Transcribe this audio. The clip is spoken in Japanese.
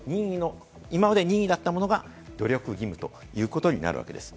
今まで任意だったものが努力義務ということになるわけです。